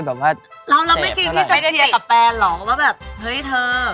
เราไม่คิดที่จะเทียกไม่ได้เทียกกับแฟนเหรอว่าแบบเฮ้ยเธอ